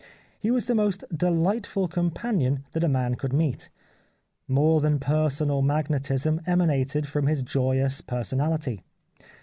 He was the most delightful companion that a man could meet. More than personal magnetism emanated from his joyous personality.